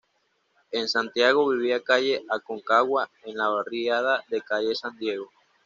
En Santiago vivía calle Aconcagua en la barriada de calle San Diego.